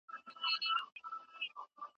که مزاجونه سره سم نه وي نو کار سختېږي.